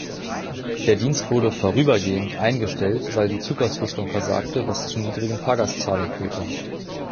Der Dienst wurde „vorübergehend“ eingestellt, weil die Zugausrüstung versagte, was zu niedrigen Fahrgastzahlen führte.